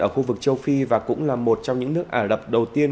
ở khu vực châu phi và cũng là một trong những nước đầu tiên